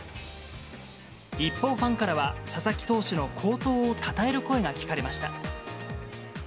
一方、ファンからは佐々木投手の好投をたたえる声が聞かれました。